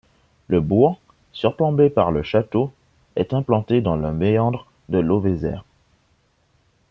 Le bourg, surplombé par le château, est implanté dans un méandre de l'Auvézère.